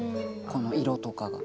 この色とかが。